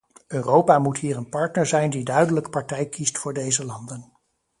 Europa moet hier een partner zijn die duidelijk partij kiest voor deze landen.